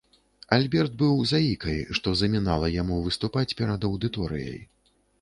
Альберт быў заікай, што замінала яму выступаць перад аўдыторыяй.